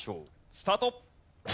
スタート！